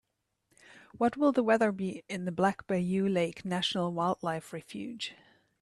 What will the weather be in the Black Bayou Lake National Wildlife Refuge?